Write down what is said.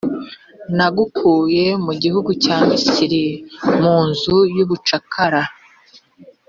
nagukuye mu gihugu cya misiri, mu nzu y’ubucakara.